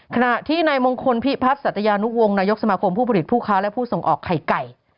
ขณะที่นายมงคลพิพัฒน์สัตยานุวงศ์นายกสมาคมผู้ผลิตผู้ค้าและผู้ส่งออกไข่ไก่